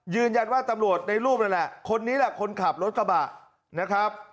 ยืนยันว่าตำรวจในรูปนั่นแหละคนนี้แหละคนขับรถกระบะนะครับ